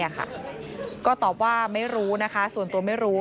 ก็ตอบว่าไม่รู้นะคะส่วนตัวไม่รู้